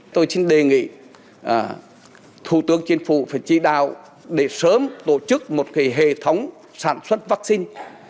tôi xin đề nghị thủ tướng chính phủ phải tri đạo để sớm tổ chức một hệ thống sản xuất vắc xin